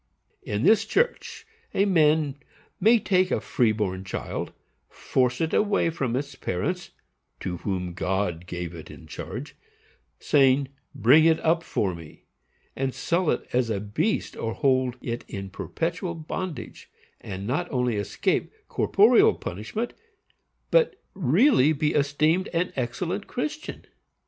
In this church a man may take a free born child, force it away from its parents, to whom God gave it in charge, saying "Bring it up for me," and sell it as a beast or hold it in perpetual bondage, and not only escape corporeal punishment, but really be esteemed an excellent Christian.